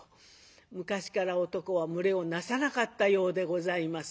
昔から男は群れをなさなかったようでございますが。